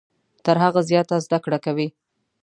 تر هغه زیاته زده کړه کوي .